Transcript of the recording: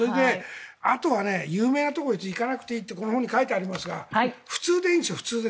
あとは有名なところに行かなくていいとこの本に書いてありますが普通でいいんですよ、普通で。